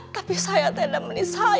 tapi saya tidak menisahkan